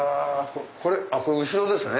これ後ろですね。